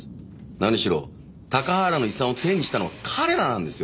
何しろ高原の遺産を手にしたの彼らなんですよ。